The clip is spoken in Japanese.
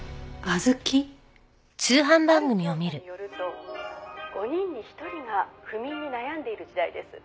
「ある調査によると５人に１人が不眠に悩んでいる時代です」